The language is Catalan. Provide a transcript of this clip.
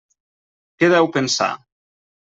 Què deu pensar?